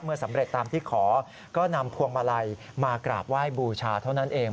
สำเร็จตามที่ขอก็นำพวงมาลัยมากราบไหว้บูชาเท่านั้นเอง